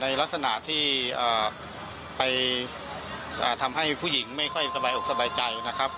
ลักษณะที่ไปทำให้ผู้หญิงไม่ค่อยสบายอกสบายใจนะครับ